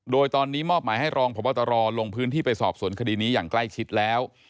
โดยตอนนี้มอบหมายให้รองพบตรลงพื้นที่ไปสอบสวนคดีนี้อย่างใกล้ชิดแล้ว